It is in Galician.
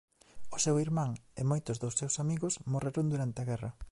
O seu irmán e moitos dos seus amigos morreron durante a guerra.